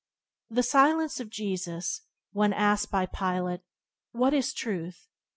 The silence of Jesus, when asked by Pilate "What is Truth?"